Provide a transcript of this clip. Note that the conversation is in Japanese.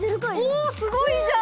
おっすごいじゃん！